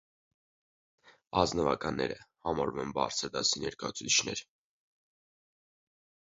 Ազնվականներ համարվում են բարձր դասի ներկայացուցիչները։